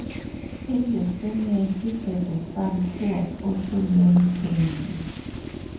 In the same year he had a son who was also named Henry.